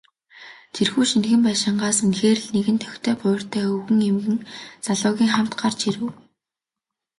Тэрхүү шинэхэн байшингаас үнэхээр л нэгэн тохитой буурьтай өвгөн, хоёр залуугийн хамт гарч ирэв.